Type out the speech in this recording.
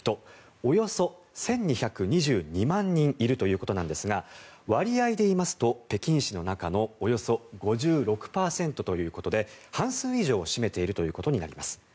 およそ１２２２万人いるということなんですが割合でいいますと北京市の中のおよそ５６％ということで半数以上を占めているということになります。